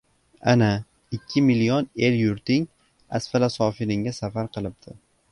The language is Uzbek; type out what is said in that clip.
— Ana, ikki milyon el-yurting asfalosofilinga safar qilibdi.